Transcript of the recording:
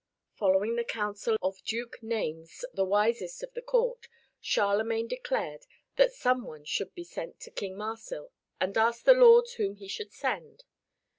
Following the counsel of Duke Naimes the wisest of the court, Charlemagne declared that some one should be sent to King Marsil and asked the lords whom he should send.